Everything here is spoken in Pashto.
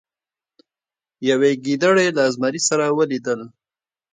یوې ګیدړې له زمري سره ولیدل.